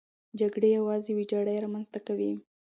جګړې یوازې ویجاړي رامنځته کوي.